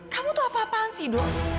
kamu tuh apa apaan sih dok